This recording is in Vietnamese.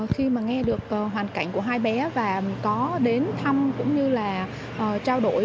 khi mà nghe được hoàn cảnh của hai bé và có đến thăm cũng như là trao đổi